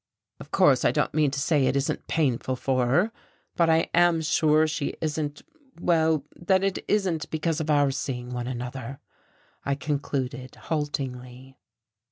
Of course I don't mean to say it isn't painful for her.... But I am sure she isn't well, that it isn't because of our seeing one another," I concluded haltingly.